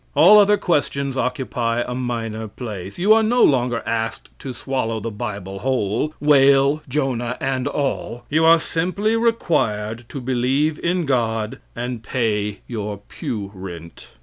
All other questions occupy a minor place. You are no longer asked to swallow the Bible whole, whale, Jonah and all; you are simply required to believe in God and pay your pew rent.